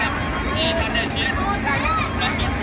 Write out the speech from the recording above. มาแล้วครับพี่น้อง